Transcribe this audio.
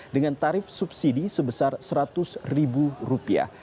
dengan tarif subsidi sebesar seratus ribu rupiah